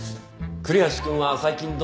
栗橋くんは最近どうなの？